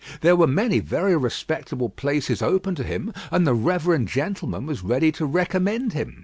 There were many very respectable places open to him, and the reverend gentleman was ready to recommend him.